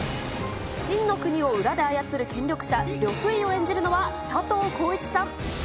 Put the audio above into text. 秦の国を裏で操る権力者、呂不韋を演じるのは佐藤浩市さん。